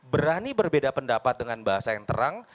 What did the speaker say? berani berbeda pendapat dengan bahasa yang terang